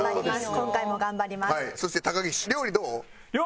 今回も頑張ります。